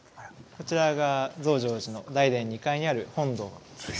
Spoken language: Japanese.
こちらが増上寺の大殿２階にある本堂です。